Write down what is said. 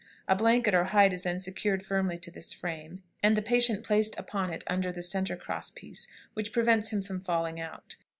A blanket or hide is then secured firmly to this frame, and the patient placed upon it under the centre cross piece, which prevents him from falling out.